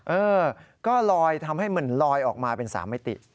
เออก็ลอยทำให้มันลอยออกมาเป็น๓มิติ